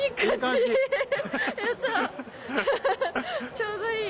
ちょうどいいや。